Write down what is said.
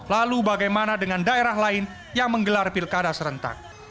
lalu bagaimana dengan daerah lain yang menggelar pilkada serentak